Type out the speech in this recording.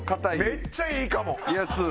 めっちゃいいかも！